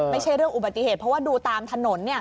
ไม่ใช่เรื่องอุบัติเหตุเพราะว่าดูตามถนน